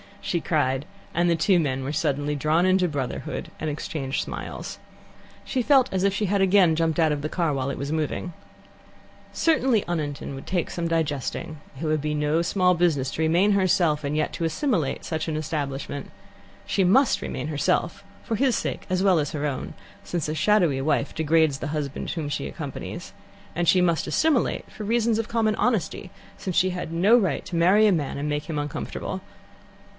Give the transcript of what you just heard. she cried, and the two men were suddenly drawn into brotherhood, and exchanged smiles. She felt as if she had again jumped out of the car while it was moving. Certainly Oniton would take some digesting. It would be no small business to remain herself, and yet to assimilate such an establishment. She must remain herself, for his sake as well as her own, since a shadowy wife degrades the husband whom she accompanies; and she must assimilate for reasons of common honesty, since she had no right to marry a man and make him uncomfortable.